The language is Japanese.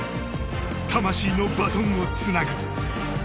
魂のバトンをつなぐ。